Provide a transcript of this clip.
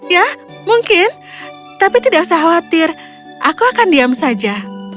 ya mungkin tapi tidak usah khawatir aku akan diam saja